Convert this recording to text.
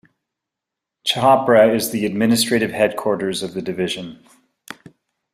Chhapra is the administrative headquarters of the division.